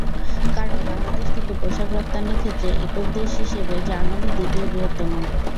কারণ, বাংলাদেশ থেকে পোশাক রপ্তানির ক্ষেত্রে একক দেশ হিসেবে জার্মানি দ্বিতীয় বৃহত্তম।